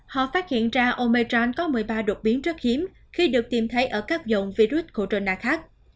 họ phát hiện ra omejan có một mươi ba đột biến rất hiếm khi được tìm thấy ở các dòng virus corona khác